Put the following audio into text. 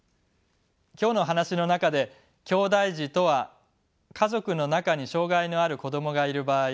今日の話の中できょうだい児とは家族の中に障がいのある子どもがいる場合